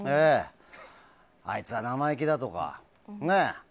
あいつは生意気だとか。